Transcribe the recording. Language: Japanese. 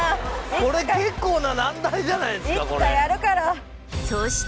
これ結構な難題じゃないっすか？